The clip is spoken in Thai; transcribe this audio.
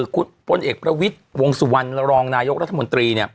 คุณปลอดิ์เอ็กซ์ประวิทวงสุวรรณรองนายกรรธมนตรี